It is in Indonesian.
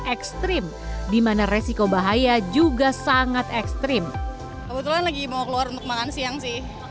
ekstrim dimana resiko bahaya juga sangat ekstrim kebetulan lagi mau keluar untuk makan siang sih